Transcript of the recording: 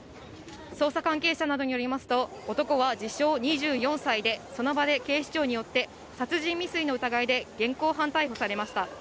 捜査関係者などによりますと、男は自称２４歳で、その場で警視庁によって殺人未遂の疑いで現行犯逮捕されました。